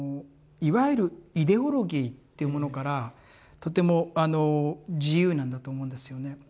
いわゆるイデオロギーっていうものからとても自由なんだと思うんですよね。